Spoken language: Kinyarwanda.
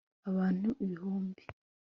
Abantu ibihumbi